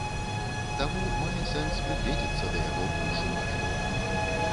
Таму мае сэнс прыгледзецца да яго больш уважліва.